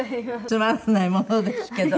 つまらないものですけど。